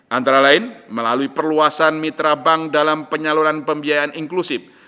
antara lain melalui perluasan mitra bank dalam penyaluran pembiayaan inklusif